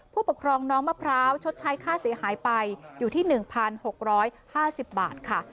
ผู้ปกครองน้องมะพร้าวชดใช้ค่าเสียหายไปอยู่ที่๑๖๕๐บาทค่ะ